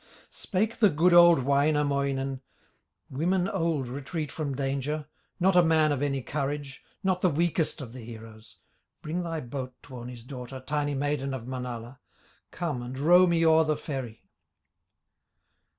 Spake the good old Wainamoinen: "Women old retreat from danger, Not a man of any courage, Not the weakest of the heroes. Bring thy boat, Tuoni's daughter, Tiny maiden of Manala, Come and row me o'er the ferry."